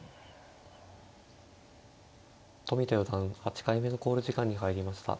冨田四段８回目の考慮時間に入りました。